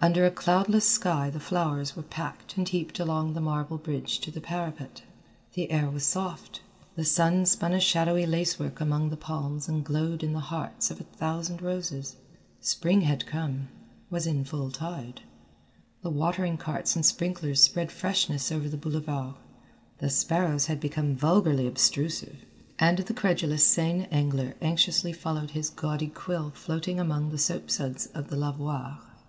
Under a cloudless sky the flowers were packed and heaped along the marble bridge to the parapet. The air was soft, the sun spun a shadowy lacework among the palms and glowed in the hearts of a thousand roses. Spring had come, was in full tide. The watering carts and sprinklers spread freshness over the Boulevard, the sparrows had become vulgarly obtrusive, and the credulous Seine angler anxiously followed his gaudy quill floating among the soapsuds of the lavoirs.